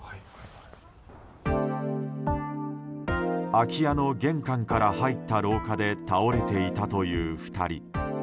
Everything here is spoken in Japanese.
空き家の玄関から入った廊下で倒れていたという２人。